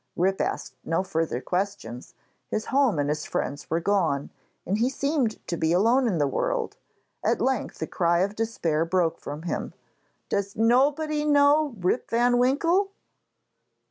Rip asked no further questions: his home and his friends were gone, and he seemed to be alone in the world. At length a cry of despair broke from him. 'Does nobody know Rip van Winkle?'